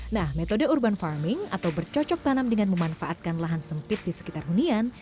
nah metode urban farming atau bercocok tanam dengan memanfaatkan lahan sempit di sekitar hunian